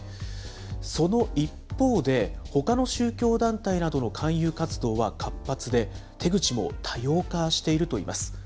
その一方で、ほかの宗教団体などの勧誘活動は活発で、手口も多様化しているといいます。